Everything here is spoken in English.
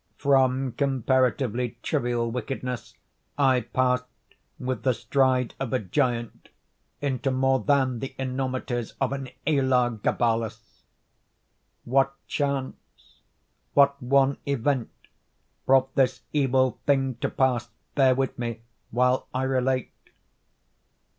From comparatively trivial wickedness I passed, with the stride of a giant, into more than the enormities of an Elah Gabalus. What chance—what one event brought this evil thing to pass, bear with me while I relate.